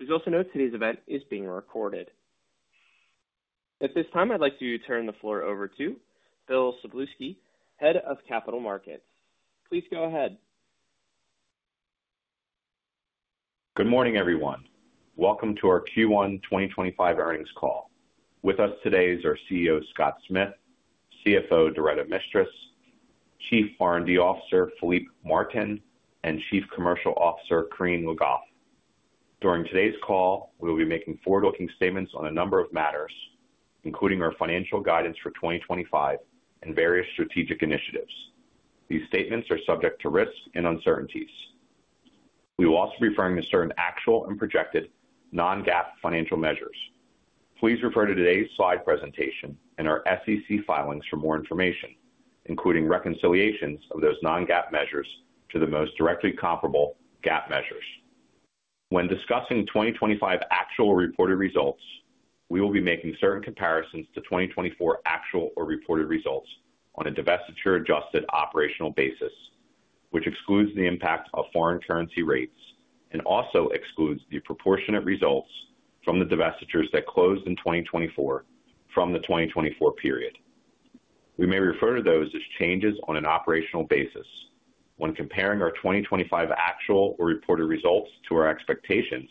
Please also note today's event is being recorded. At this time, I'd like to turn the floor over to Bill Szablewski, Head of Capital Markets. Please go ahead. Good morning, everyone. Welcome to our Q1 2025 earnings call. With us today are CEO Scott Smith, CFO Doretta Mistras, Chief R&D Officer Philippe Martin, and Chief Commercial Officer Corinne Le Goff. During today's call, we will be making forward-looking statements on a number of matters, including our financial guidance for 2025 and various strategic initiatives. These statements are subject to risk and uncertainties. We will also be referring to certain actual and projected non-GAAP financial measures. Please refer to today's slide presentation and our SEC filings for more information, including reconciliations of those non-GAAP measures to the most directly comparable GAAP measures. When discussing 2025 actual reported results, we will be making certain comparisons to 2024 actual or reported results on a divestiture-adjusted operational basis, which excludes the impact of foreign currency rates and also excludes the proportionate results from the divestitures that closed in 2024 from the 2024 period. We may refer to those as changes on an operational basis. When comparing our 2025 actual or reported results to our expectations,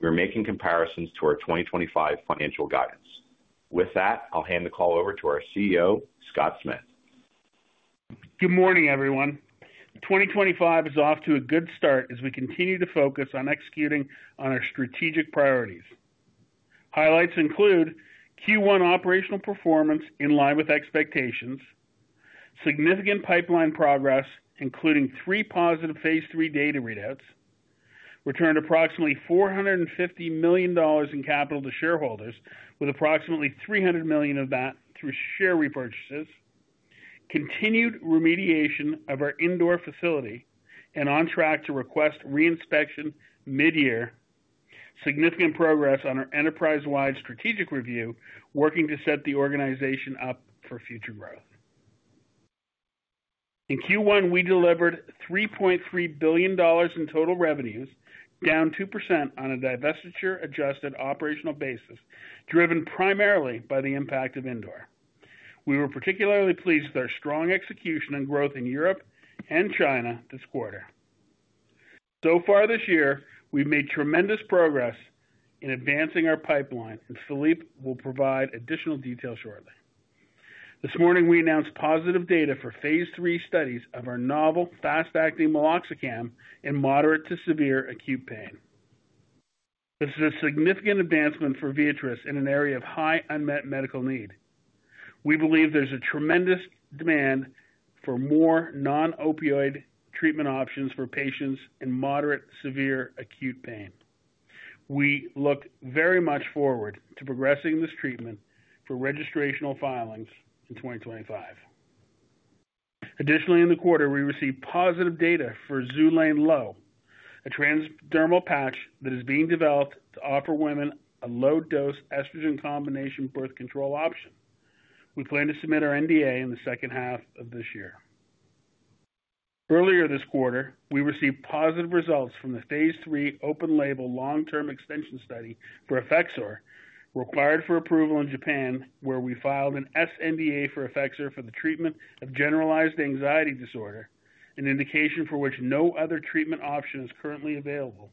we are making comparisons to our 2025 financial guidance. With that, I'll hand the call over to our CEO, Scott Smith. Good morning, everyone. 2025 is off to a good start as we continue to focus on executing on our strategic priorities. Highlights include Q1 operational performance in line with expectations, significant phase III data readouts, returned approximately $450 million in capital to shareholders, with approximately $300 million of that through share repurchases, continued remediation of our Indore facility, and on track to request reinspection mid-year, significant progress on our enterprise-wide strategic review, working to set the organization up for future growth. In Q1, we delivered $3.3 billion in total revenues, down 2% on a divestiture-adjusted operational basis, driven primarily by the impact of Indore. We were particularly pleased with our strong execution and growth in Europe and China this quarter. So far this year, we've made tremendous progress in advancing our pipeline, and Philippe will provide additional details shortly. This morning, phase III studies of our novel fast-acting meloxicam in moderate to severe acute pain. This is a significant advancement for Viatris in an area of high unmet medical need. We believe there's a tremendous demand for more non-opioid treatment options for patients in moderate to severe acute pain. We look very much forward to progressing this treatment for registrational filings in 2025. Additionally, in the quarter, we received positive data for Xulane Low, a transdermal patch that is being developed to offer women a low-dose estrogen combination birth control option. We plan to submit our NDA in the second half of this year. Earlier this quarter, we phase III open-label long-term extension study for Effexor required for approval in Japan, where we filed an sNDA for Effexor for the treatment of generalized anxiety disorder, an indication for which no other treatment option is currently available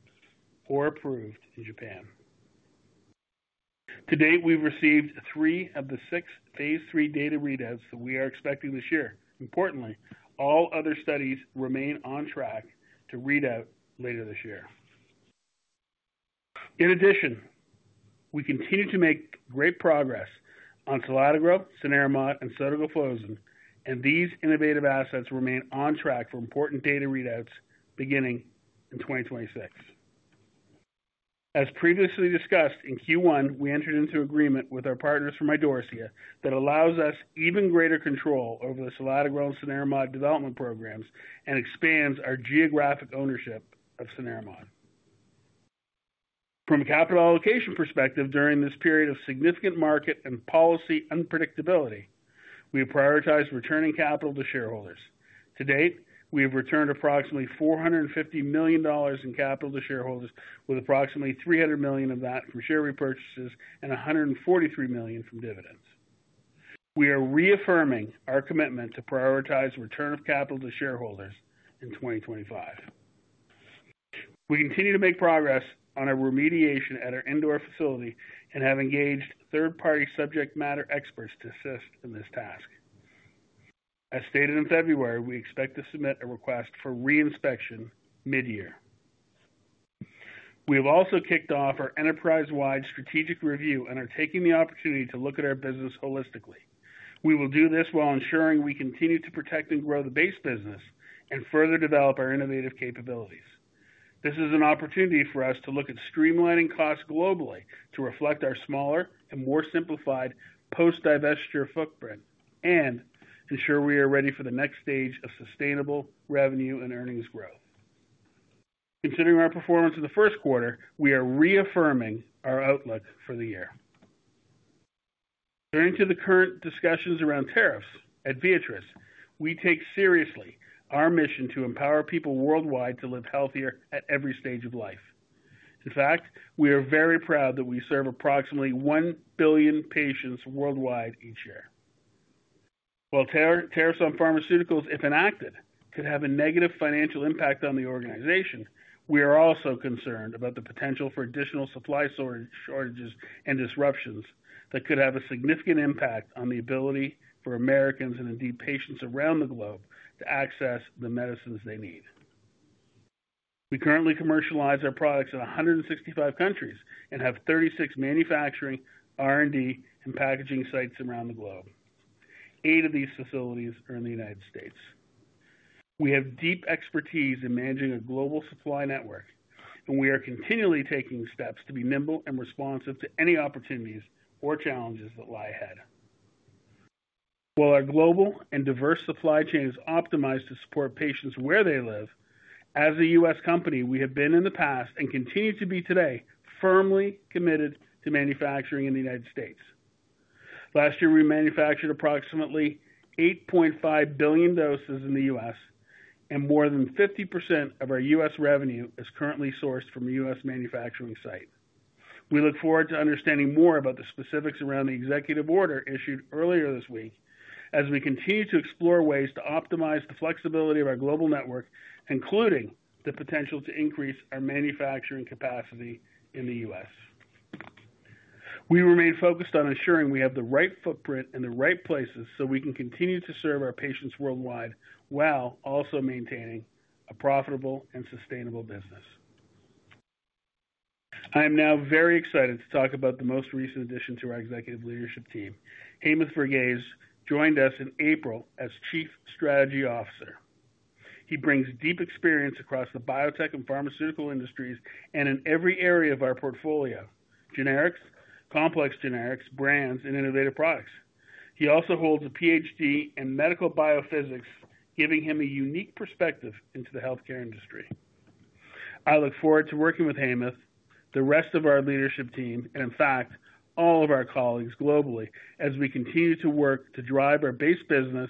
or approved in Japan. To date, we've phase III data readouts that we are expecting this year. Importantly, all other studies remain on track to readout later this year. In addition, we continue to make great progress on selatogrel, cenerimod, and sotagliflozin, and these innovative assets remain on track for important data readouts beginning in 2026. As previously discussed in Q1, we entered into agreement with our partners from Idorsia that allows us even greater control over the selatogrel and cenerimod development programs and expands our geographic ownership of cenerimod. From a capital allocation perspective, during this period of significant market and policy unpredictability, we have prioritized returning capital to shareholders. To date, we have returned approximately $450 million in capital to shareholders, with approximately $300 million of that from share repurchases and $143 million from dividends. We are reaffirming our commitment to prioritize return of capital to shareholders in 2025. We continue to make progress on our remediation at our Indore facility and have engaged third-party subject matter experts to assist in this task. As stated in February, we expect to submit a request for reinspection mid-year. We have also kicked off our enterprise-wide strategic review and are taking the opportunity to look at our business holistically. We will do this while ensuring we continue to protect and grow the base business and further develop our innovative capabilities. This is an opportunity for us to look at streamlining costs globally to reflect our smaller and more simplified post-divestiture footprint and ensure we are ready for the next stage of sustainable revenue and earnings growth. Considering our performance in the first quarter, we are reaffirming our outlook for the year. Turning to the current discussions around tariffs at Viatris, we take seriously our mission to empower people worldwide to live healthier at every stage of life. In fact, we are very proud that we serve approximately 1 billion patients worldwide each year. While tariffs on pharmaceuticals, if enacted, could have a negative financial impact on the organization, we are also concerned about the potential for additional supply shortages and disruptions that could have a significant impact on the ability for Americans and indeed patients around the globe to access the medicines they need. We currently commercialize our products in 165 countries and have 36 manufacturing, R&D, and packaging sites around the globe. Eight of these facilities are in the United States. We have deep expertise in managing a global supply network, and we are continually taking steps to be nimble and responsive to any opportunities or challenges that lie ahead. While our global and diverse supply chain is optimized to support patients where they live, as a U.S. company, we have been in the past and continue to be today firmly committed to manufacturing in the United States. Last year, we manufactured approximately 8.5 billion doses in the U.S., and more than 50% of our U.S. revenue is currently sourced from a U.S. manufacturing site. We look forward to understanding more about the specifics around the executive order issued earlier this week as we continue to explore ways to optimize the flexibility of our global network, including the potential to increase our manufacturing capacity in the U.S. We remain focused on ensuring we have the right footprint in the right places so we can continue to serve our patients worldwide while also maintaining a profitable and sustainable business. I am now very excited to talk about the most recent addition to our executive leadership team. Amith Varghese joined us in April as Chief Strategy Officer. He brings deep experience across the biotech and pharmaceutical industries and in every area of our portfolio: generics, complex generics, brands, and innovative products. He also holds a Ph.D. in medical biophysics, giving him a unique perspective into the healthcare industry. I look forward to working with Amith, the rest of our leadership team, and in fact, all of our colleagues globally as we continue to work to drive our base business,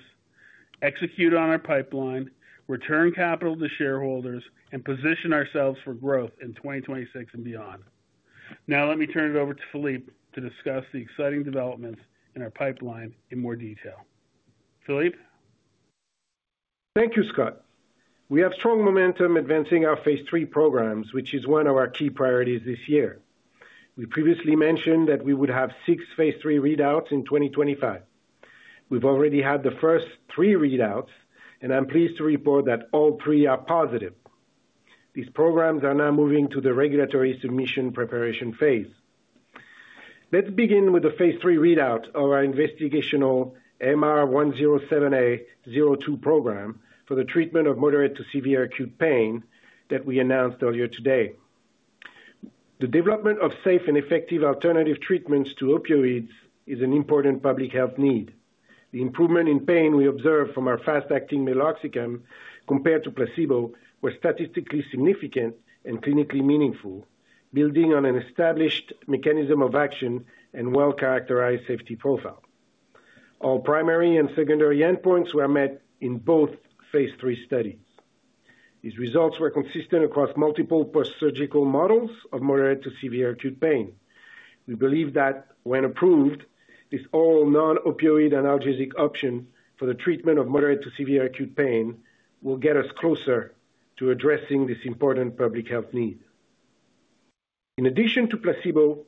execute on our pipeline, return capital to shareholders, and position ourselves for growth in 2026 and beyond. Now, let me turn it over to Philippe to discuss the exciting developments in our pipeline in more detail. Philippe? Thank you, Scott. We phase III programs, which is one of our key priorities this year. We previously mentioned phase III readouts in 2025. we've already had the first three readouts, and I'm pleased to report that all three are positive. These programs are now moving to the regulatory submission preparation phase. phase III readout of our investigational MR-107A-02 program for the treatment of moderate to severe acute pain that we announced earlier today. The development of safe and effective alternative treatments to opioids is an important public health need. The improvement in pain we observed from our fast-acting meloxicam compared to placebo was statistically significant and clinically meaningful, building on an established mechanism of action and well-characterized safety profile. All primary and secondary phase III studies. these results were consistent across multiple post-surgical models of moderate to severe acute pain. We believe that when approved, this all non-opioid analgesic option for the treatment of moderate to severe acute pain will get us closer to addressing this important public health need. In addition to placebo,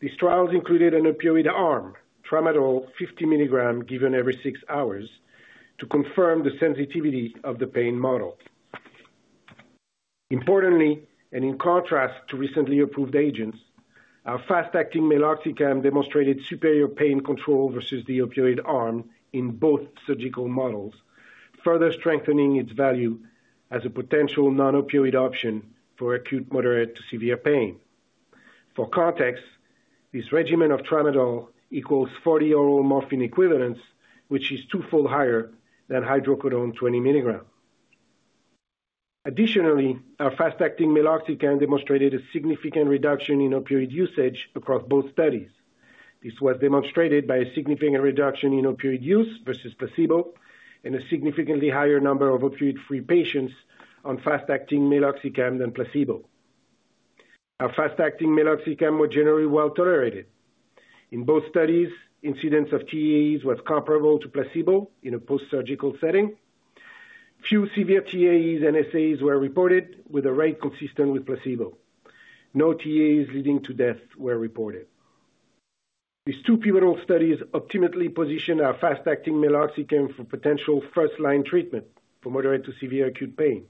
these trials included an opioid arm, tramadol 50 mg given every six hours to confirm the sensitivity of the pain model. Importantly, and in contrast to recently approved agents, our fast-acting meloxicam demonstrated superior pain control versus the opioid arm in both surgical models, further strengthening its value as a potential non-opioid option for acute moderate to severe pain. For context, this regimen of tramadol equals 40 oral morphine equivalents, which is twofold higher than hydrocodone 20 mg. Additionally, our fast-acting meloxicam demonstrated a significant reduction in opioid usage across both studies. This was demonstrated by a significant reduction in opioid use versus placebo and a significantly higher number of opioid-free patients on fast-acting meloxicam than placebo. Our fast-acting meloxicam was generally well tolerated. In both studies, incidence of TEAEs was comparable to placebo in a post-surgical setting. Few severe TEAEs and SAEs were reported, with a rate consistent with placebo. No TEAEs leading to death were reported. These two pivotal studies optimally position our fast-acting meloxicam for potential first-line treatment for moderate to severe acute pain.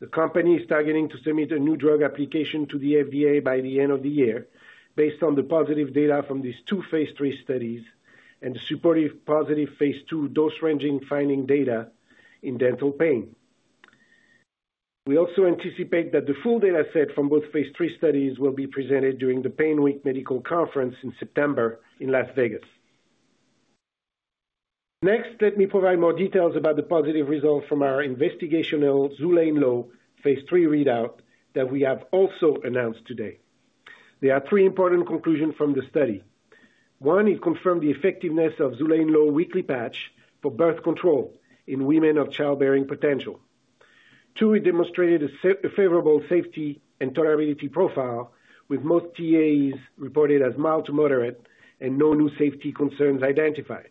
The company is targeting to submit a new drug application to the FDA by the end of the year based on the phase III studies and the phase II dose-ranging finding data in dental pain. We also anticipate that the phase III studies will be presented during the PAINWeek medical conference in September in Las Vegas. Next, let me provide more details about the positive results phase III readout that we have also announced today. There are three important conclusions from the study. One, it confirmed the effectiveness of Xulane Low weekly patch for birth control in women of childbearing potential. Two, it demonstrated a favorable safety and tolerability profile, with most TEAEs reported as mild to moderate and no new safety concerns identified.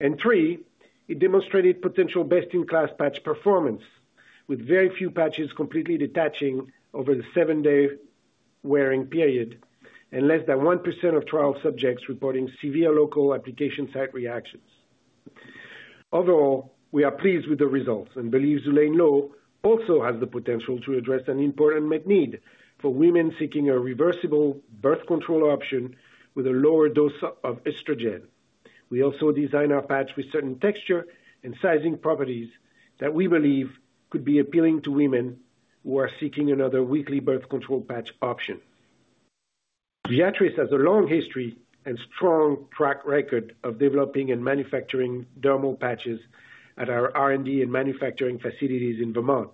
And three, it demonstrated potential best-in-class patch performance, with very few patches completely detaching over the seven-day wearing period and less than 1% of trial subjects reporting severe local application site reactions. Overall, we are pleased with the results and believe Xulane Low also has the potential to address an important unmet need for women seeking a reversible birth control option with a lower dose of estrogen. We also designed our patch with certain texture and sizing properties that we believe could be appealing to women who are seeking another weekly birth control patch option. Viatris has a long history and strong track record of developing and manufacturing dermal patches at our R&D and manufacturing facilities in Vermont.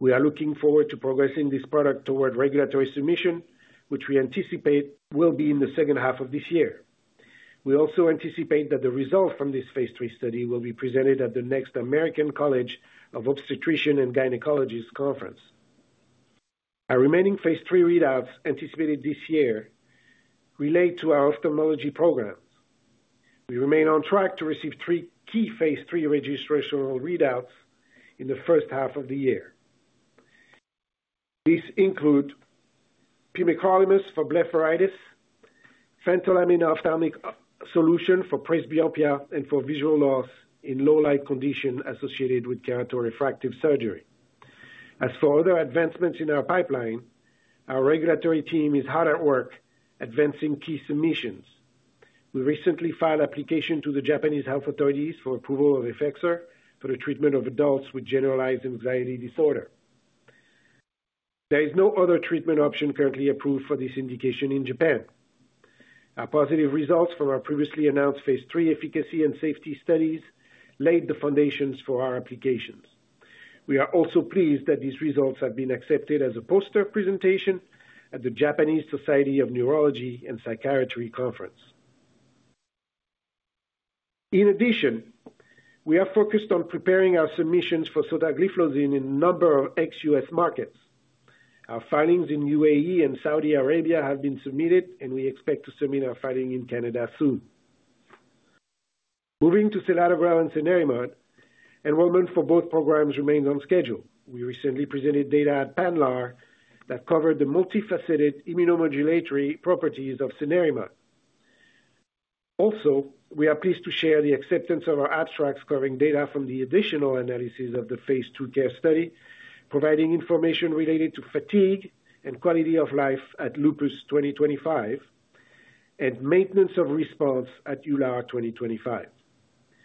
We are looking forward to progressing this product toward regulatory submission, which we anticipate will be in the second half of this year. We also anticipate phase III study will be presented at the next American College of Obstetricians and Gynecologists phase III readouts anticipated this year relate to our ophthalmology programs. We remain on phase III registrational readouts in the first half of the year. These include pimecrolimus for blepharitis, phentolamine ophthalmic solution for presbyopia, and for visual loss in low light conditions associated with keratorefractive surgery. As for other advancements in our pipeline, our regulatory team is hard at work advancing key submissions. We recently filed applications to the Japanese Health Authorities for approval of Effexor for the treatment of adults with generalized anxiety disorder. There is no other treatment option currently approved for this indication in Japan. Our positive phase III efficacy and safety studies laid the foundations for our applications. We are also pleased that these results have been accepted as a poster presentation at the Japanese Society of Neurology and Psychiatry conference. In addition, we are focused on preparing our submissions for sotagliflozin in a number of ex-U.S. markets. Our filings in UAE and Saudi Arabia have been submitted, and we expect to submit our filing in Canada soon. Moving to selatogrel and cenerimod, enrollment for both programs remains on schedule. We recently presented data at PANLAR that covered the multifaceted immunomodulatory properties of cenerimod. Also, we are pleased to share the acceptance of our abstract covering data from the additional phase II CARE study, providing information related to fatigue and quality of life at Lupus 2025 and maintenance of response at EULAR 2025.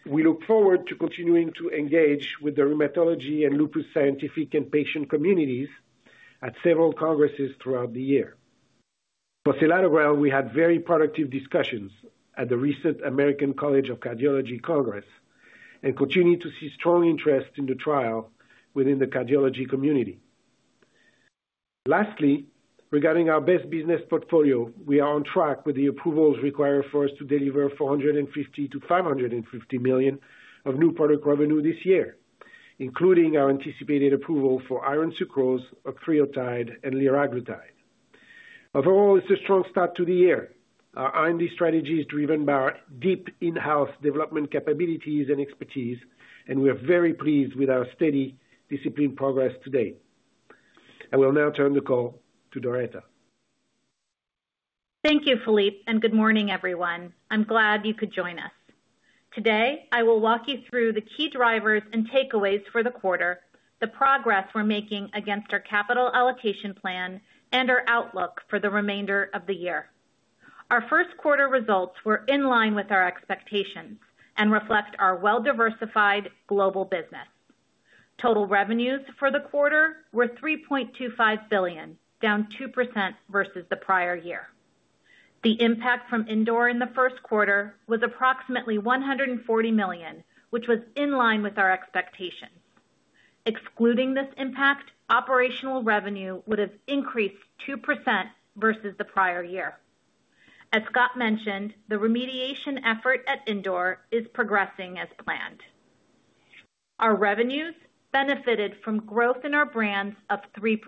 We look forward to continuing to engage with the rheumatology and lupus scientific and patient communities at several congresses throughout the year. For Selatogrel, we had very productive discussions at the recent American College of Cardiology congress and continue to see strong interest in the trial within the cardiology community. Lastly, regarding our biosimilars business portfolio, we are on track with the approvals required for us to deliver $450-550 million of new product revenue this year, including our anticipated approval for iron sucrose, octreotide, and liraglutide. Overall, it's a strong start to the year. Our R&D strategy is driven by our deep in-house development capabilities and expertise, and we are very pleased with our steady, disciplined progress today. I will now turn the call to Doretta. Thank you, Philippe, and good morning, everyone. I'm glad you could join us. Today, I will walk you through the key drivers and takeaways for the quarter, the progress we're making against our capital allocation plan, and our outlook for the remainder of the year. Our first quarter results were in line with our expectations and reflect our well-diversified global business. Total revenues for the quarter were $3.25 billion, down 2% versus the prior year. The impact from Indore in the first quarter was approximately $140 million, which was in line with our expectations. Excluding this impact, operational revenue would have increased 2% versus the prior year. As Scott mentioned, the remediation effort at Indore is progressing as planned. Our revenues benefited from growth in our brands of 3%.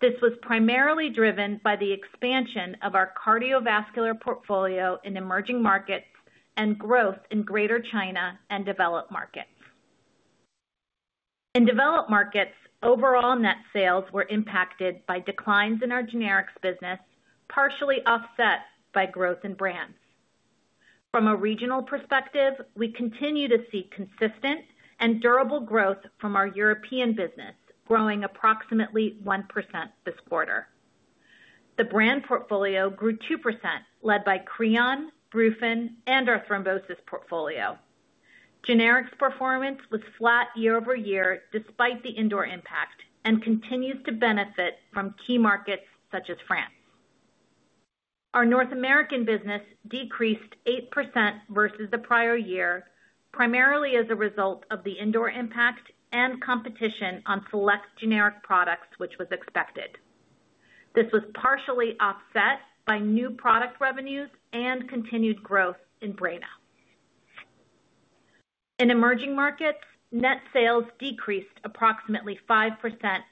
This was primarily driven by the expansion of our cardiovascular portfolio in emerging markets and growth in Greater China and developed markets. In developed markets, overall net sales were impacted by declines in our generics business, partially offset by growth in brands. From a regional perspective, we continue to see consistent and durable growth from our European business, growing approximately 1% this quarter. The brand portfolio grew 2%, led by Creon, Brufen, and our thrombosis portfolio. Generics performance was flat year over year despite the Indore impact and continues to benefit from key markets such as France. Our North American business decreased 8% versus the prior year, primarily as a result of the Indore impact and competition on select generic products, which was expected. This was partially offset by new product revenues and continued growth in Breyna. In emerging markets, net sales decreased approximately 5%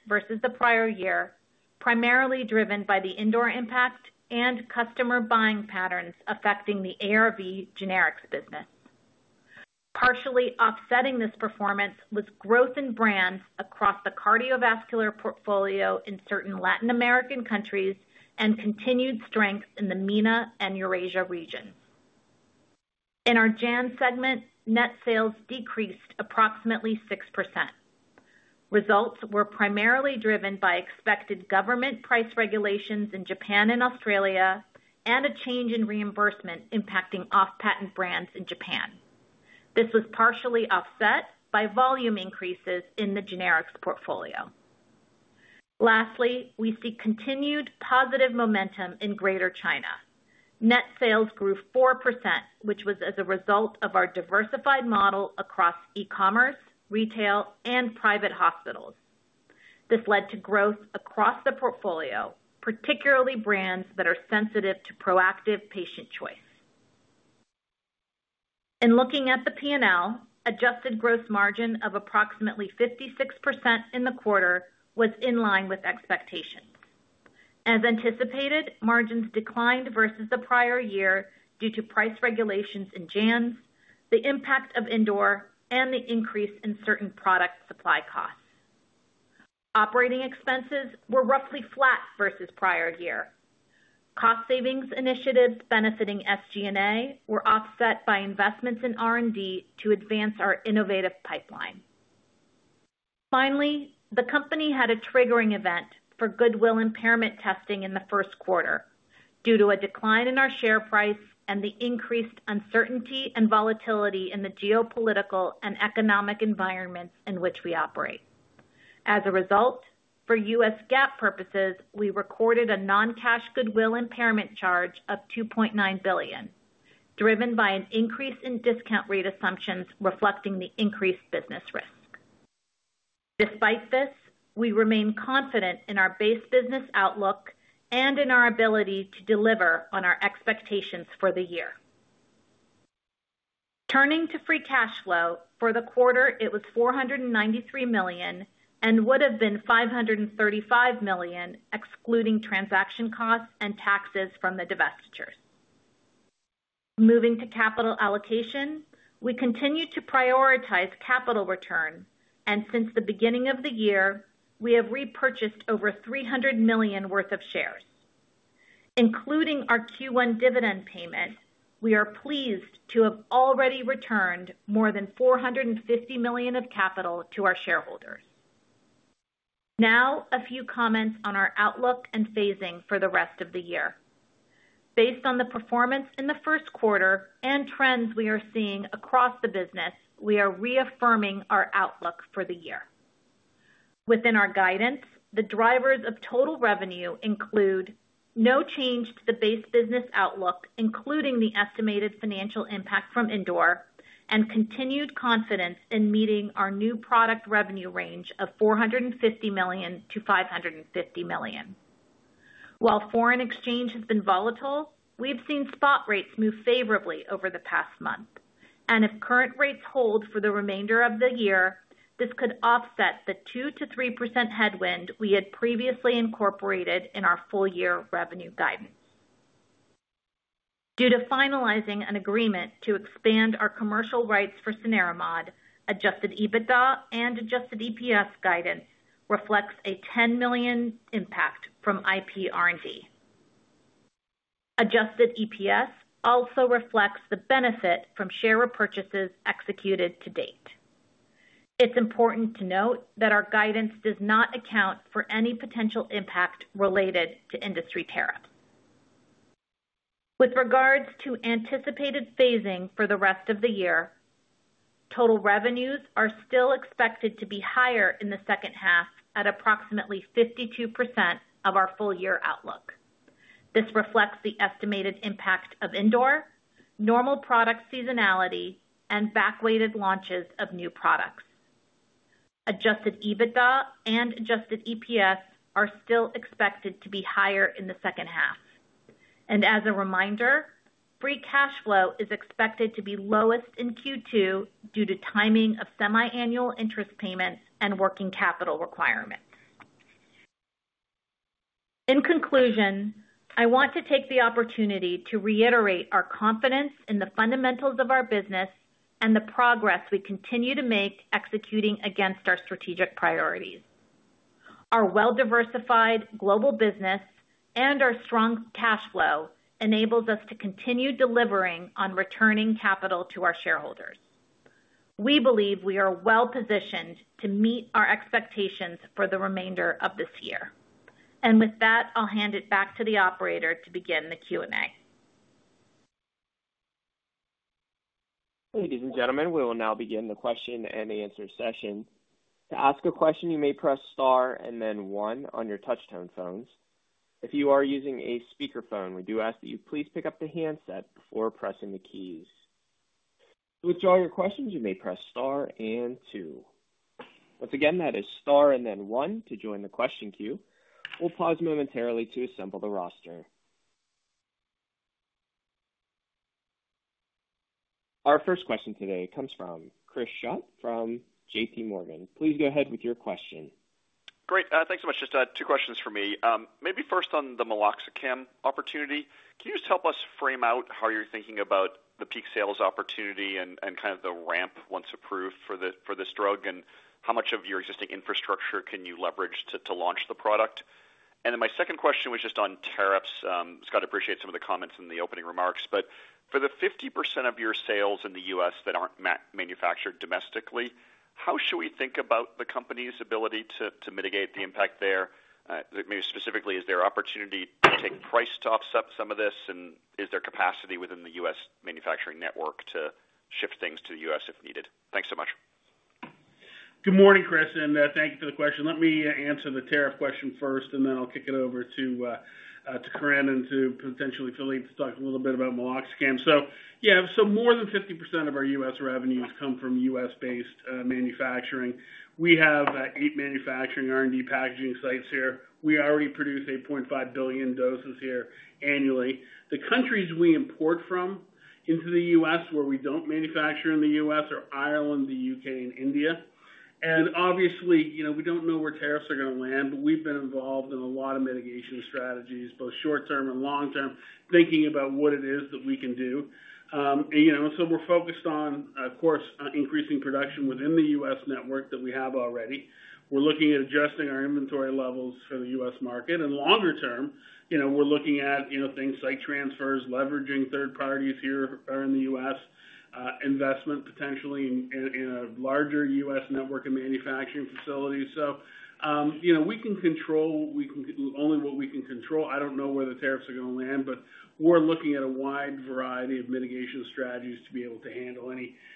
versus the prior year, primarily driven by the Indore impact and customer buying patterns affecting the ARV generics business. Partially offsetting this performance was growth in brands across the cardiovascular portfolio in certain Latin American countries and continued strength in the MENA and Eurasia regions. In our JANZ segment, net sales decreased approximately 6%. Results were primarily driven by expected government price regulations in Japan and Australia and a change in reimbursement impacting off-patent brands in Japan. This was partially offset by volume increases in the generics portfolio. Lastly, we see continued positive momentum in greater China. Net sales grew 4%, which was as a result of our diversified model across e-commerce, retail, and private hospitals. This led to growth across the portfolio, particularly brands that are sensitive to proactive patient choice. In looking at the P&L, adjusted gross margin of approximately 56% in the quarter was in line with expectations. As anticipated, margins declined versus the prior year due to price regulations in JANZ, the impact of Indore, and the increase in certain product supply costs. Operating expenses were roughly flat versus prior year. Cost savings initiatives benefiting SG&A were offset by investments in R&D to advance our innovative pipeline. Finally, the company had a triggering event for goodwill impairment testing in the first quarter due to a decline in our share price and the increased uncertainty and volatility in the geopolitical and economic environments in which we operate. As a result, for U.S. GAAP purposes, we recorded a non-cash goodwill impairment charge of $2.9 billion, driven by an increase in discount rate assumptions reflecting the increased business risk. Despite this, we remain confident in our base business outlook and in our ability to deliver on our expectations for the year. Turning to free cash flow, for the quarter, it was $493 million and would have been $535 million excluding transaction costs and taxes from the divestitures. Moving to capital allocation, we continue to prioritize capital return, and since the beginning of the year, we have repurchased over $300 million worth of shares. Including our Q1 dividend payment, we are pleased to have already returned more than $450 million of capital to our shareholders. Now, a few comments on our outlook and phasing for the rest of the year. Based on the performance in the first quarter and trends we are seeing across the business, we are reaffirming our outlook for the year. Within our guidance, the drivers of total revenue include no change to the base business outlook, including the estimated financial impact from Indore, and continued confidence in meeting our new product revenue range of $450 million-$550 million. While foreign exchange has been volatile, we've seen spot rates move favorably over the past month, and if current rates hold for the remainder of the year, this could offset the 2%-3% headwind we had previously incorporated in our full-year revenue guidance. Due to finalizing an agreement to expand our commercial rights for Cenerimod, Adjusted EBITDA and Adjusted EPS guidance reflects a $10 million impact from IPR&D. Adjusted EPS also reflects the benefit from share repurchases executed to date. It's important to note that our guidance does not account for any potential impact related to industry tariffs. With regards to anticipated phasing for the rest of the year, total revenues are still expected to be higher in the second half at approximately 52% of our full-year outlook. This reflects the estimated impact of Indore, normal product seasonality, and back-weighted launches of new products. Adjusted EBITDA and adjusted EPS are still expected to be higher in the second half. And as a reminder, free cash flow is expected to be lowest in Q2 due to timing of semiannual interest payments and working capital requirements. In conclusion, I want to take the opportunity to reiterate our confidence in the fundamentals of our business and the progress we continue to make executing against our strategic priorities. Our well-diversified global business and our strong cash flow enables us to continue delivering on returning capital to our shareholders. We believe we are well-positioned to meet our expectations for the remainder of this year. With that, I'll hand it back to the operator to begin the Q&A. Ladies and gentlemen, we will now begin the question and answer session. To ask a question, you may press Star and then One on your touch-tone phones. If you are using a speakerphone, we do ask that you please pick up the handset before pressing the keys. To withdraw your questions, you may press Star and Two. Once again, that is Star and then One to join the question queue. We'll pause momentarily to assemble the roster. Our first question today comes from Chris Schott from JPMorgan. Please go ahead with your question. Great. Thanks so much. Just two questions for me. Maybe first on the meloxicam opportunity. Can you just help us frame out how you're thinking about the peak sales opportunity and kind of the ramp once approved for this drug, and how much of your existing infrastructure can you leverage to launch the product? And then my second question was just on tariffs. Scott, I appreciate some of the comments in the opening remarks, but for the 50% of your sales in the U.S. that aren't manufactured domestically, how should we think about the company's ability to mitigate the impact there? Specifically, is there an opportunity to take price to offset some of this, and is there capacity within the U.S. manufacturing network to shift things to the U.S. if needed? Thanks so much. Good morning, Chris, and thank you for the question. Let me answer the tariff question first, and then I'll kick it over to Corinne and to potentially Philippe to talk a little bit about meloxicam. So yeah, so more than 50% of our U.S. revenues come from U.S.-based manufacturing. We have eight manufacturing R&D packaging sites here. We already produce 8.5 billion doses here annually. The countries we import from into the U.S. where we don't manufacture in the U.S. are Ireland, the U.K., and India. And obviously, we don't know where tariffs are going to land, but we've been involved in a lot of mitigation strategies, both short-term and long-term, thinking about what it is that we can do. And so we're focused on, of course, increasing production within the U.S. network that we have already. We're looking at adjusting our inventory levels for the U.S. market. Longer term, we're looking at things like transfers, leveraging third parties here or in the U.S., investment potentially in a larger U.S. network of manufacturing facilities. We can control only what we can control. I don't know where the tariffs are going to land, but we're looking at a wide variety of mitigation strategies to be able to handle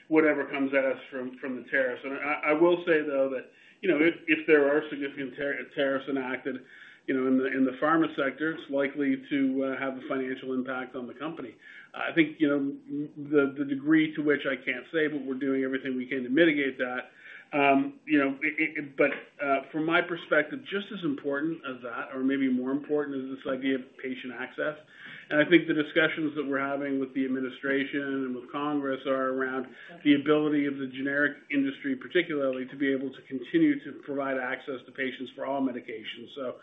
whatever comes at us from the tariffs. I will say, though, that if there are significant tariffs enacted in the pharma sector, it's likely to have a financial impact on the company. I think the degree to which I can't say, but we're doing everything we can to mitigate that. From my perspective, just as important as that, or maybe more important, is this idea of patient access. I think the discussions that we're having with the administration and with Congress are around the ability of the generic industry, particularly to be able to continue to provide access to patients for all medications. So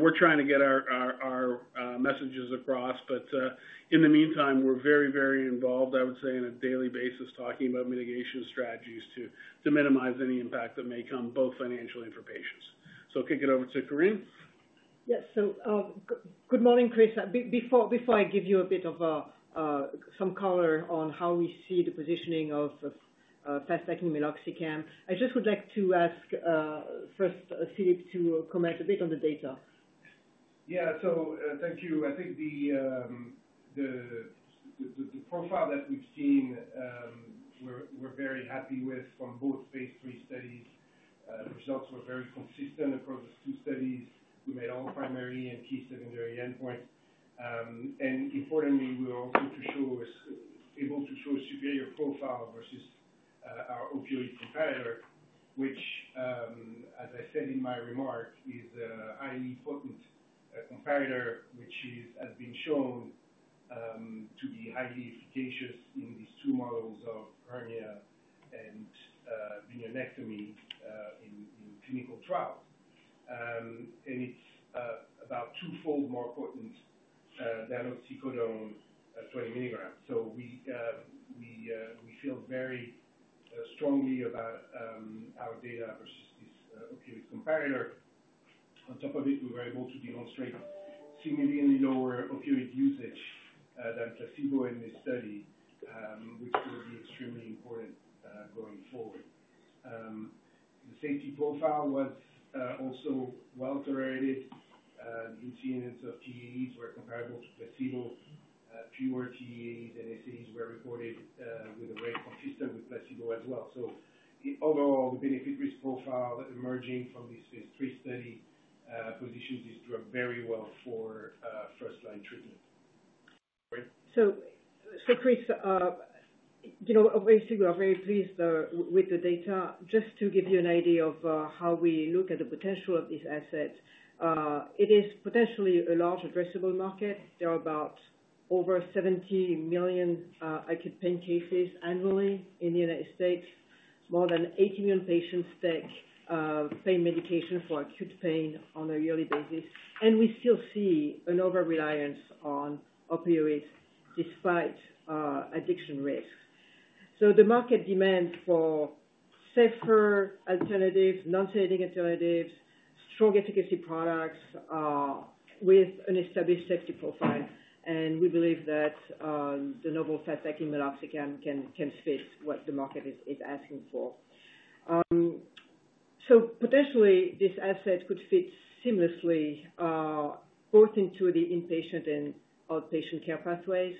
we're trying to get our messages across, but in the meantime, we're very, very involved, I would say, on a daily basis, talking about mitigation strategies to minimize any impact that may come, both financially and for patients. So I'll kick it over to Corinne. Yes. So good morning, Chris. Before I give you a bit of some color on how we see the positioning of fast-acting meloxicam, I just would like to ask first Philippe to comment a bit on the data. Yeah. So thank you. I think the profile that we've seen, we're very happy phase III studies. the results were very consistent across the two studies. We made all primary and key secondary endpoints. And importantly, we were also able to show a superior profile versus our opioid competitor, which, as I said in my remark, is a highly potent competitor, which has been shown to be highly efficacious in these two models of herniorrhaphy and bunionectomy in clinical trials. And it's about twofold more potent than oxycodone 20 mg. So we feel very strongly about our data versus this opioid competitor. On top of it, we were able to demonstrate significantly lower opioid usage than placebo in this study, which will be extremely important going forward. The safety profile was also well tolerated. The incidence of TEAEs were comparable to placebo. Fewer TEAEs and SAEs were reported with a rate consistent with placebo as well. So overall, the benefit-risk profile emerging from this phase three study positions this drug very well for first-line treatment. So, Chris, obviously, we are very pleased with the data. Just to give you an idea of how we look at the potential of this asset, it is potentially a large addressable market. There are about over 70 million acute pain cases annually in the United States. More than 80 million patients take pain medication for acute pain on a yearly basis. And we still see an over-reliance on opioids despite addiction risk. So the market demands for safer alternatives, non-opioid alternatives, strong efficacy products with an established safety profile. And we believe that the novel fast-acting meloxicam can fit what the market is asking for. So potentially, this asset could fit seamlessly both into the inpatient and outpatient care pathways.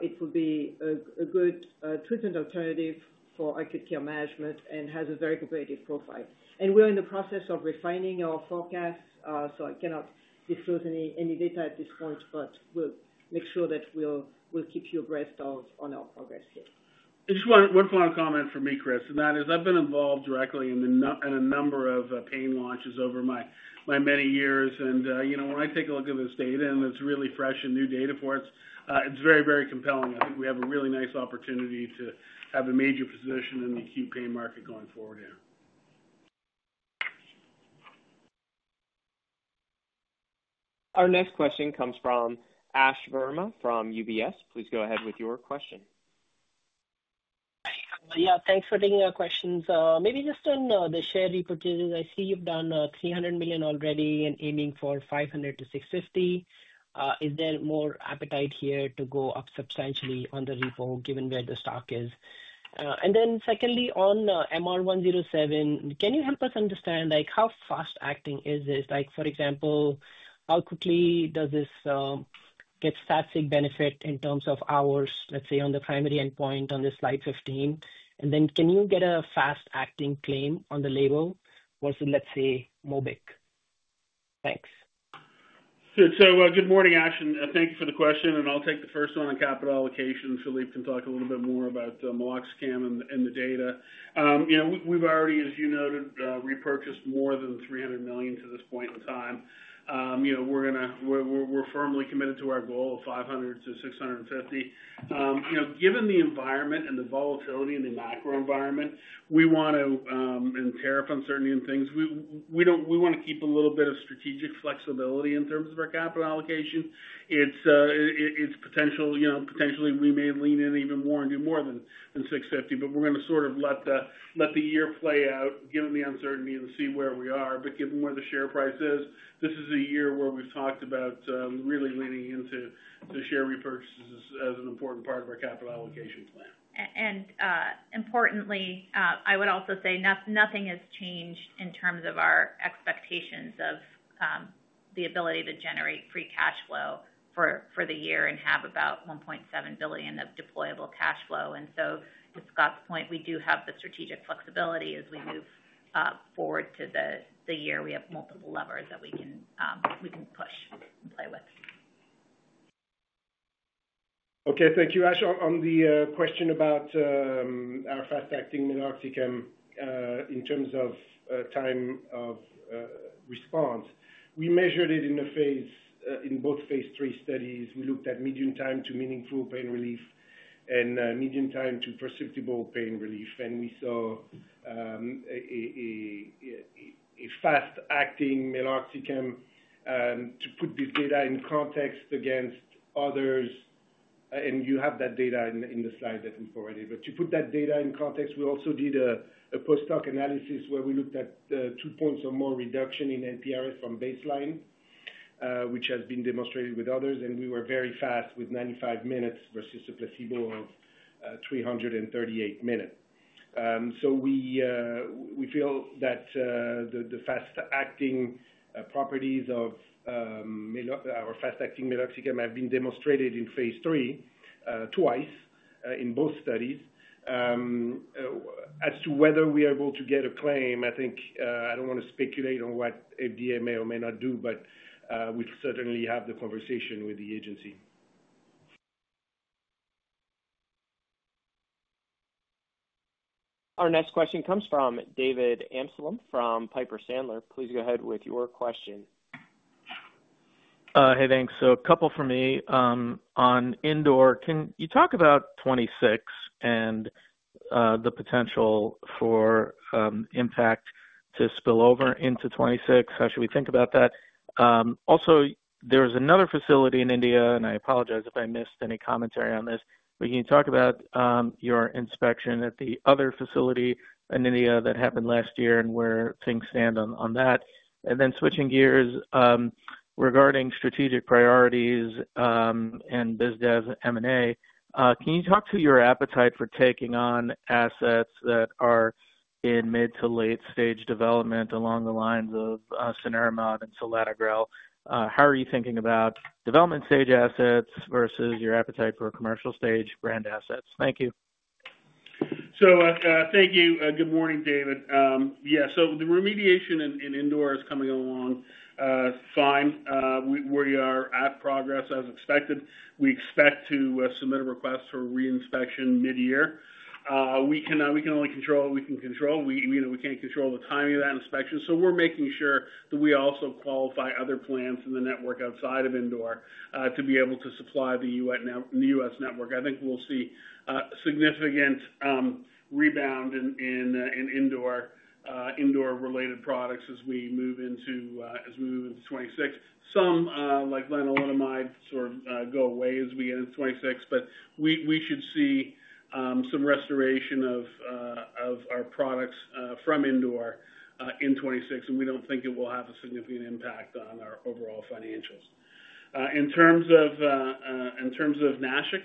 It would be a good treatment alternative for acute care management and has a very competitive profile. And we're in the process of refining our forecast. I cannot disclose any data at this point, but we'll make sure that we'll keep you abreast of our progress here. Just one final comment for me, Chris, and that is I've been involved directly in a number of pain launches over my many years. And when I take a look at this data and it's really fresh and new data for us, it's very, very compelling. I think we have a really nice opportunity to have a major position in the acute pain market going forward here. Our next question comes from Ash Verma from UBS. Please go ahead with your question. Yeah. Thanks for taking our questions. Maybe just on the share repurchases, I see you've done $300 million already and aiming for $500 million-$650 million. Is there more appetite here to go up substantially on the repo, given where the stock is? And then secondly, on MR-107A-02, can you help us understand how fast-acting is this? For example, how quickly does this get statistical benefit in terms of hours, let's say, on the primary endpoint on this slide 15? And then can you get a fast-acting claim on the label versus, let's say, Mobic? Thanks. Good morning, Ash, and thank you for the question. I'll take the first one on capital allocation. Philippe can talk a little bit more about meloxicam and the data. We've already, as you noted, repurchased more than $300 million to this point in time. We're firmly committed to our goal of $500-$650 million. Given the environment and the volatility in the macro environment, we want to, in tariff uncertainty and things, we want to keep a little bit of strategic flexibility in terms of our capital allocation. Potentially, we may lean in even more and do more than $650 million, but we're going to sort of let the year play out, given the uncertainty, and see where we are. But given where the share price is, this is a year where we've talked about really leaning into the share repurchases as an important part of our capital allocation plan. And importantly, I would also say nothing has changed in terms of our expectations of the ability to generate free cash flow for the year and have about $1.7 billion of deployable cash flow. And so to Scott's point, we do have the strategic flexibility as we move forward to the year. We have multiple levers that we can push and play with. Okay. Thank you, Ash. On the question about our fast-acting meloxicam in terms of time of response, we measured it in both phase three studies. We looked at median time to meaningful pain relief and median time to perceptible pain relief, and we saw a fast-acting meloxicam. To put this data in context against others, and you have that data in the slide that we've already given. To put that data in context, we also did a post hoc analysis where we looked at two-point or more reduction in NPRS from baseline, which has been demonstrated with others, and we were very fast with 95 minutes versus a placebo of 338 minutes, so we feel that the fast-acting properties of our fast-acting meloxicam have been demonstrated in phase three twice in both studies. As to whether we are able to get a claim, I think I don't want to speculate on what FDA may or may not do, but we'll certainly have the conversation with the agency. Our next question comes from David Amsellem from Piper Sandler. Please go ahead with your question. Hey, thanks. So a couple for me. On Indore, can you talk about 2026 and the potential for impact to spill over into 2026? How should we think about that? Also, there is another facility in India, and I apologize if I missed any commentary on this, but can you talk about your inspection at the other facility in India that happened last year and where things stand on that? And then switching gears regarding strategic priorities and BizDev M&A, can you talk to your appetite for taking on assets that are in mid to late-stage development along the lines of Cenerimod and Selatogrel? How are you thinking about development-stage assets versus your appetite for commercial-stage brand assets? Thank you. So thank you. Good morning, David. Yeah. So the remediation in Indore is coming along fine. We are at progress as expected. We expect to submit a request for reinspection mid-year. We can only control what we can control. We can't control the timing of that inspection. So we're making sure that we also qualify other plants in the network outside of Indore to be able to supply the U.S. network. I think we'll see significant rebound in Indore-related products as we move into 2026. Some, like lenalidomide, sort of go away as we get into 2026, but we should see some restoration of our products from Indore in 2026, and we don't think it will have a significant impact on our overall financials. In terms of Nashik,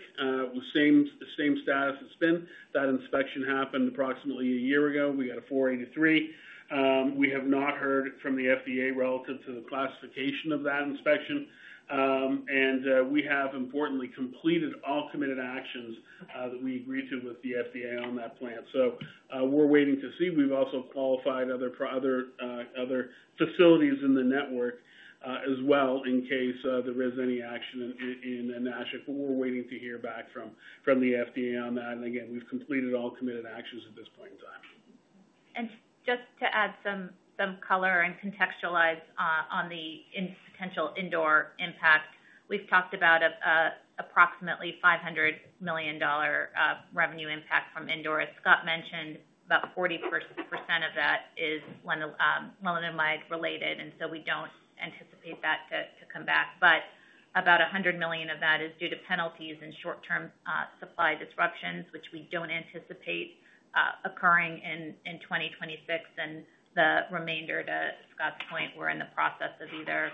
same status as Indore. That inspection happened approximately a year ago. We got a 483. We have not heard from the FDA relative to the classification of that inspection. We have, importantly, completed all committed actions that we agreed to with the FDA on that plant. We're waiting to see. We've also qualified other facilities in the network as well in case there is any action in Nashik, but we're waiting to hear back from the FDA on that. Again, we've completed all committed actions at this point in time. And just to add some color and contextualize on the potential Indore impact, we've talked about approximately $500 million revenue impact from Indore. As Scott mentioned, about 40% of that is lenalidomide-related, and so we don't anticipate that to come back. But about $100 million of that is due to penalties and short-term supply disruptions, which we don't anticipate occurring in 2026. And the remainder, to Scott's point, we're in the process of either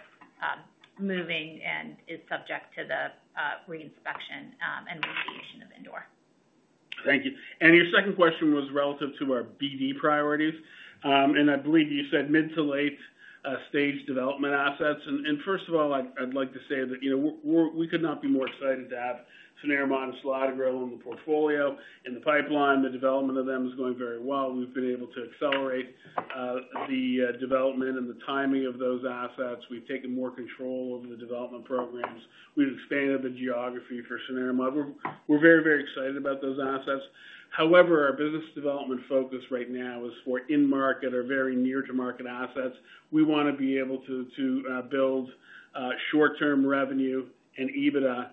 moving and is subject to the reinspection and remediation of Indore. Thank you. And your second question was relative to our BD priorities. And I believe you said mid- to late-stage development assets. And first of all, I'd like to say that we could not be more excited to have Cenerimod and Selatogrel in the portfolio, in the pipeline. The development of them is going very well. We've been able to accelerate the development and the timing of those assets. We've taken more control over the development programs. We've expanded the geography for Cenerimod. We're very, very excited about those assets. However, our business development focus right now is for in-market or very near-to-market assets. We want to be able to build short-term revenue and EBITDA.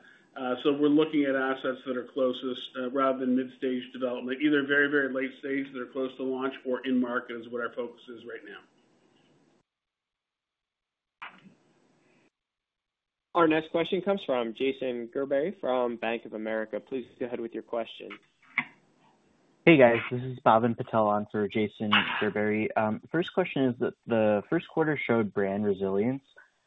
So we're looking at assets that are closest rather than mid-stage development, either very, very late-stage that are close to launch or in-market is what our focus is right now. Our next question comes from Jason Gerbery from Bank of America. Please go ahead with your question. Hey, guys. This is Bhavin Patel on for Jason Gerbery. First question is that the first quarter showed brand resilience,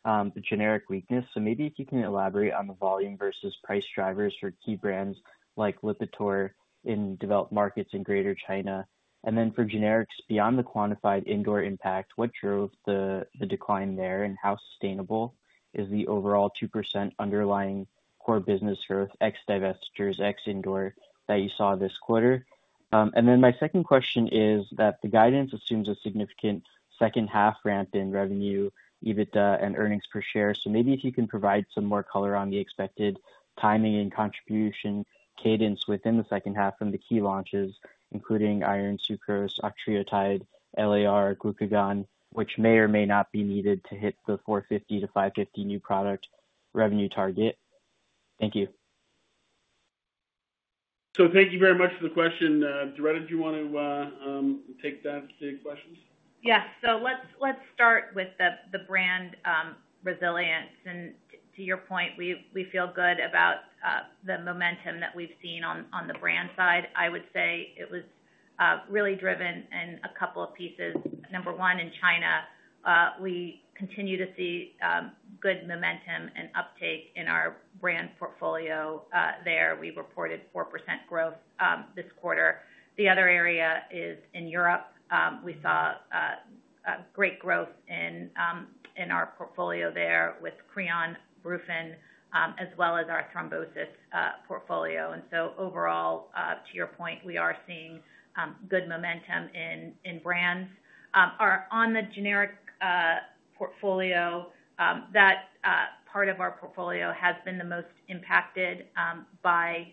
the generic weakness. So maybe if you can elaborate on the volume versus price drivers for key brands like Lipitor in developed markets in Greater China. And then for generics beyond the quantified Indore impact, what drove the decline there and how sustainable is the overall 2% underlying core business growth, ex-divestitures, ex-Indore, that you saw this quarter? And then my second question is that the guidance assumes a significant second-half ramp in revenue, EBITDA, and earnings per share. So maybe if you can provide some more color on the expected timing and contribution cadence within the second half from the key launches, including Iron sucrose, octreotide LAR, glucagon, which may or may not be needed to hit the $450-$550 new product revenue target. Thank you. So thank you very much for the question. Doretta, do you want to take that to the questions? Yes. So let's start with the brand resilience, and to your point, we feel good about the momentum that we've seen on the brand side. I would say it was really driven in a couple of pieces. Number one, in China, we continue to see good momentum and uptake in our brand portfolio there. We reported 4% growth this quarter. The other area is in Europe. We saw great growth in our portfolio there with Creon, Brufen, as well as our thrombosis portfolio, and so overall, to your point, we are seeing good momentum in brands. On the generic portfolio, that part of our portfolio has been the most impacted by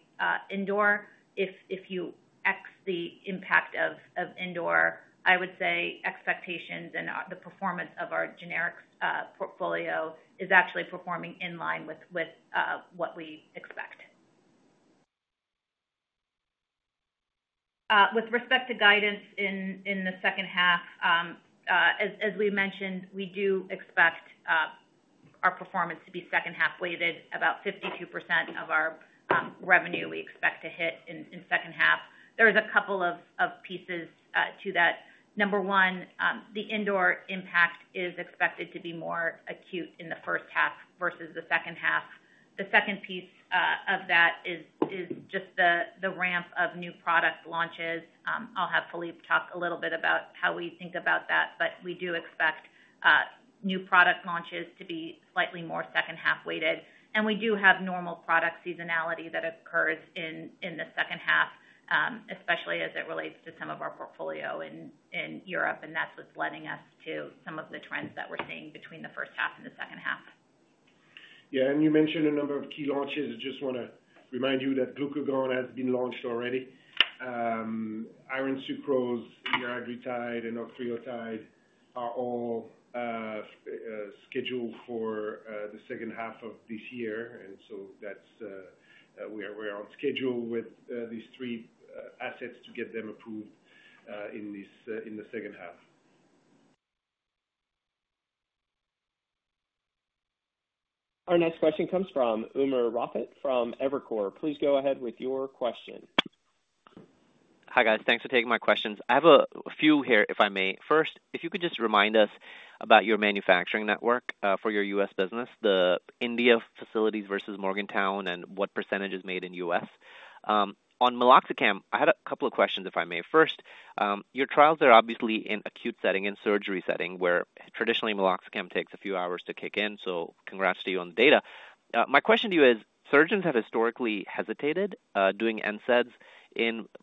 Indore. If you ex the impact of Indore, I would say expectations and the performance of our generics portfolio is actually performing in line with what we expect. With respect to guidance in the second half, as we mentioned, we do expect our performance to be second-half weighted. About 52% of our revenue we expect to hit in second half. There are a couple of pieces to that. Number one, the Indore impact is expected to be more acute in the first half versus the second half. The second piece of that is just the ramp of new product launches. I'll have Philippe talk a little bit about how we think about that, but we do expect new product launches to be slightly more second-half weighted. And we do have normal product seasonality that occurs in the second half, especially as it relates to some of our portfolio in Europe. And that's what's led us to some of the trends that we're seeing between the first half and the second half. Yeah. And you mentioned a number of key launches. I just want to remind you that glucagon has been launched already. Iron sucrose, liraglutide, and octreotide are all scheduled for the second half of this year. And so we're on schedule with these three assets to get them approved in the second half. Our next question comes from Umer Raffat from Evercore ISI. Please go ahead with your question. Hi guys. Thanks for taking my questions. I have a few here, if I may. First, if you could just remind us about your manufacturing network for your U.S. business, the India facilities versus Morgantown, and what percentage is made in U.S. On meloxicam, I had a couple of questions, if I may. First, your trials are obviously in acute setting, in surgery setting, where traditionally meloxicam takes a few hours to kick in. So congrats to you on the data. My question to you is, surgeons have historically hesitated doing NSAIDs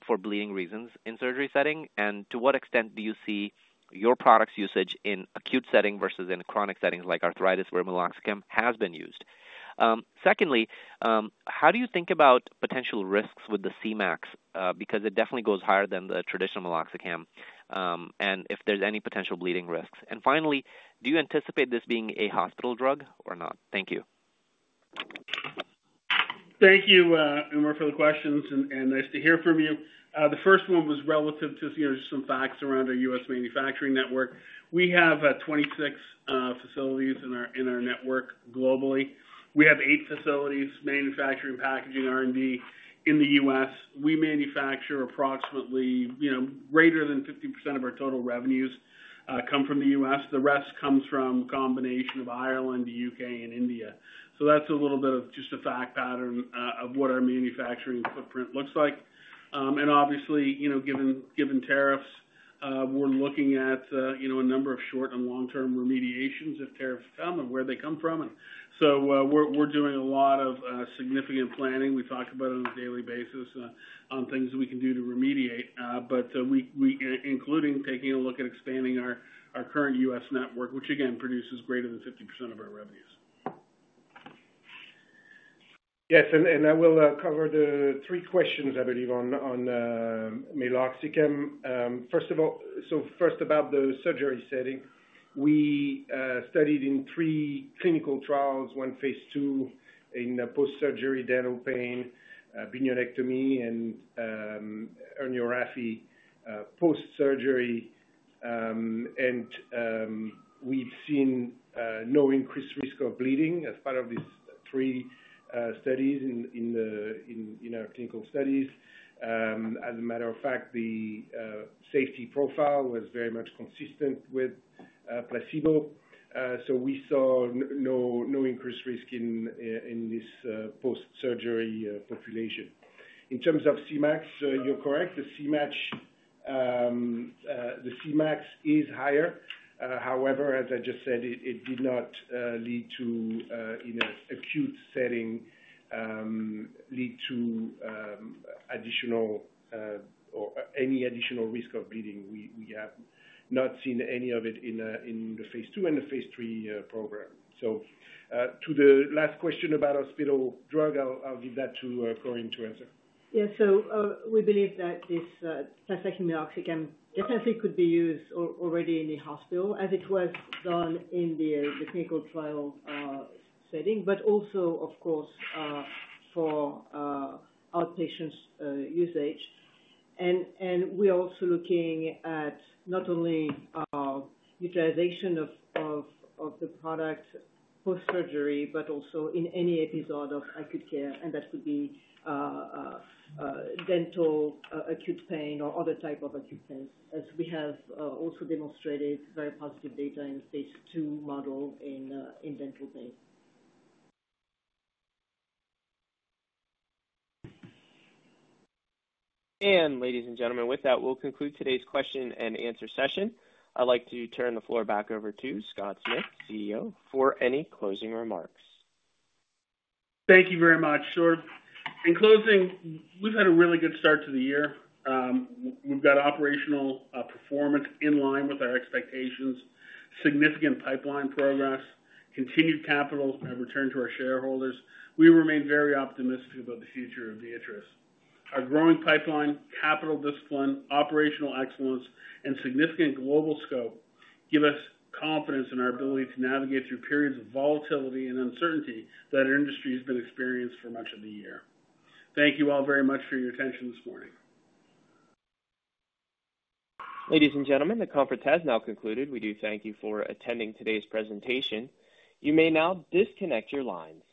for bleeding reasons in surgery setting. And to what extent do you see your product's usage in acute setting versus in chronic settings like arthritis where meloxicam has been used? Secondly, how do you think about potential risks with the Cmax? Because it definitely goes higher than the traditional meloxicam, and if there's any potential bleeding risks? And finally, do you anticipate this being a hospital drug or not? Thank you. Thank you, Umer, for the questions, and nice to hear from you. The first one was relative to some facts around our U.S. manufacturing network. We have 26 facilities in our network globally. We have eight facilities manufacturing packaging R&D in the U.S. We manufacture approximately greater than 50% of our total revenues come from the U.S. The rest comes from a combination of Ireland, the U.K., and India. So that's a little bit of just a fact pattern of what our manufacturing footprint looks like. And obviously, given tariffs, we're looking at a number of short and long-term remediations if tariffs come and where they come from. And so we're doing a lot of significant planning. We talk about it on a daily basis on things that we can do to remediate, including taking a look at expanding our current U.S. network, which again produces greater than 50% of our revenues. Yes. And I will cover the three questions, I believe, on meloxicam. First of all, so first about the surgery setting. We studied in three clinical trials, one phase two in post-surgery dental pain, bunionectomy, and herniorrhaphy post-surgery. And we've seen no increased risk of bleeding as part of these three studies in our clinical studies. As a matter of fact, the safety profile was very much consistent with placebo. So we saw no increased risk in this post-surgery population. In terms of Cmax, you're correct. The Cmax is higher. However, as I just said, it did not lead to, in an acute setting, additional or any additional risk of bleeding. We have not seen any of it in the phase two and the phase three program. So to the last question about hospital drug, I'll leave that to Corinne to answer. Yeah. So we believe that this fast-acting meloxicam definitely could be used already in the hospital, as it was done in the clinical trial setting, but also, of course, for outpatient usage. And we're also looking at not only our utilization of the product post-surgery, but also in any episode of acute care. And that could be dental acute pain or other type of acute pains, as we have also demonstrated very positive phase II model in dental pain. Ladies and gentlemen, with that, we'll conclude today's question and answer session. I'd like to turn the floor back over to Scott Smith, CEO, for any closing remarks. Thank you very much, Jordan. In closing, we've had a really good start to the year. We've got operational performance in line with our expectations, significant pipeline progress, continued capital return to our shareholders. We remain very optimistic about the future of Viatris. Our growing pipeline, capital discipline, operational excellence, and significant global scope give us confidence in our ability to navigate through periods of volatility and uncertainty that our industry has been experiencing for much of the year. Thank you all very much for your attention this morning. Ladies and gentlemen, the conference has now concluded. We do thank you for attending today's presentation. You may now disconnect your lines.